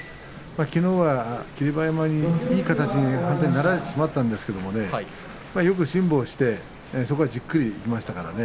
きのうは霧馬山にいい形になられてしまったんですけれどもねよく辛抱してそこはじっくりいきましたからね。